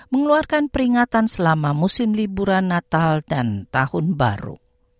mengeluarkan peringatan selama musim liburan natal dan tahun baru